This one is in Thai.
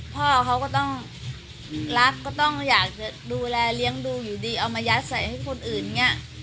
พ่อเขาก็ต้องรักก็ต้องอยากจะดูแลเลี้ยงดูอยู่ดีเอามายัดใส่ให้คนอื่นอย่างนี้